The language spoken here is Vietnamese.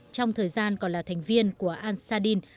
trong thời gian còn là thành viên của al sadin